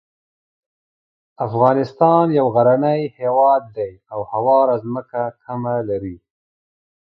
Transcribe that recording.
افغانستان یو غرنی هیواد دی او هواره ځمکه کمه لري.